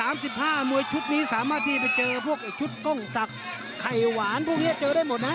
๑๓๕มวยชุดนี้สามารถที่ไปเจอพวกชุดก้องสักไข่หวานพวกนี้เจอได้หมดนะ